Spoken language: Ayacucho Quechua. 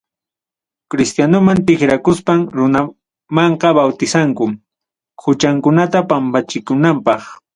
Cristianuman tikrakuspan, runamanqa bautizanku quchankunata pampachikunapaq.